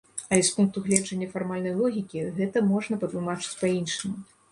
Але з пункту гледжання фармальнай логікі гэта можна патлумачыць па-іншаму.